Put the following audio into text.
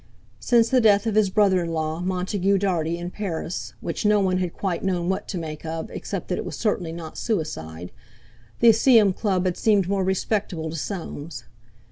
Since the death of his brother in law Montague Dartie, in Paris, which no one had quite known what to make of, except that it was certainly not suicide—the Iseeum Club had seemed more respectable to Soames.